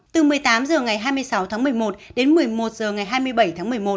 từ một mươi tám h ngày hai mươi sáu tháng một mươi một đến một mươi một h ngày hai mươi bảy tháng một mươi một